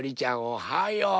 おはよう。